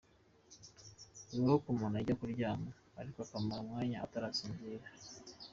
Bibaho ko umuntu ajya kuryama ariko akamara umwanya atarasinzira.